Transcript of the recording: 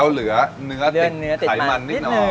แล้วเหลือเนื้อเนื้อติดไขมันนิดหน่อยเลื่อนเนื้อติดมานิดหนึ่ง